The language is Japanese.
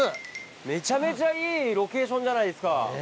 めちゃめちゃいいロケーションじゃないですか。